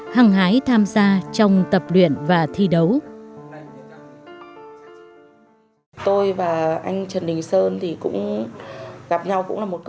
hăng hái tham gia trong tập luyện và thi đấu